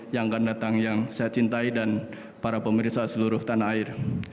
yang akan datang yang saya cintai dan para pemirsa seluruh tanah air